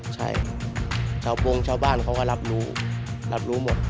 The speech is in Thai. ใช่ชาวโปรงชาวบ้านเขาก็รับรู้รับรู้หมด